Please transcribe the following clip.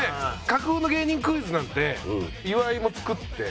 架空の芸人クイズなんて岩井も作って。